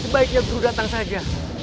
sebaiknya guru datang saja